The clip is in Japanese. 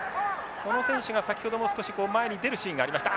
この選手が先ほども少し前に出るシーンがありました。